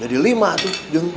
jadi lima tuh juh